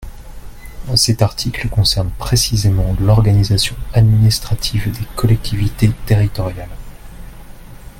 Cet article concerne précisément l’organisation administrative des collectivités territoriales.